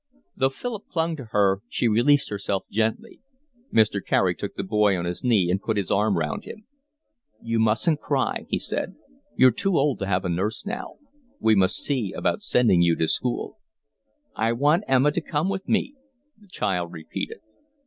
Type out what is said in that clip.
Though Philip clung to her, she released herself gently. Mr. Carey took the boy on his knee and put his arm round him. "You mustn't cry," he said. "You're too old to have a nurse now. We must see about sending you to school." "I want Emma to come with me," the child repeated.